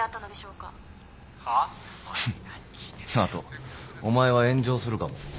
あとお前は炎上するかも。